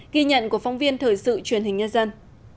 ghi nhận của phóng viên thời sự truyền hình nhân dân